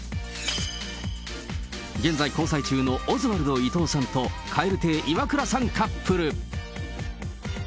現在交際中のオズワルドの伊藤さんと、蛙亭・イワクラさんカップル。